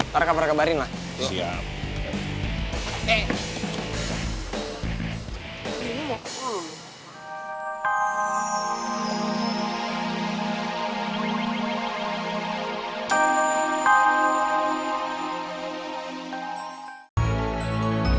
parah parah kabarin lah